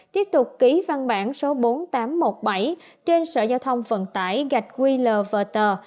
tiếp tục ký văn bản số bốn nghìn tám trăm một mươi bảy trên sở giao thông vận tải gạch qlverter